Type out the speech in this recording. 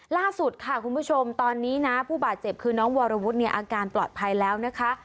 ล่าสุดค่ะคุณผู้ชมตอนนี้นะผู้บาดเจ็บคือน้องวรวุฒิเนี่ยอาการปลอดภัยแล้วนะคะ